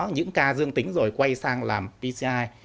những ca dương tính rồi quay sang làm pcr